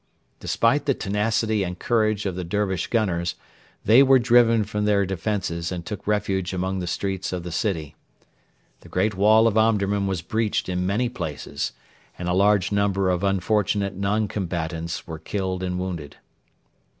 Despite the tenacity and courage of the Dervish gunners, they were driven from their defences and took refuge among the streets of the city. The great wall of Omdurman was breached in many places, and a large number of unfortunate non combatants were killed and wounded.